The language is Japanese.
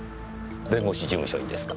弁護士事務所にですか？